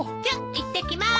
いってきます。